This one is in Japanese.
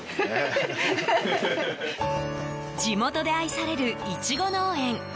地元で愛されるイチゴ農園